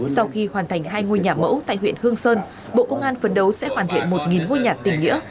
sau khi hoàn thành hai ngôi nhà mẫu tại huyện hương sơn bộ công an phấn đấu sẽ hoàn thiện một ngôi nhà tỉnh nghĩa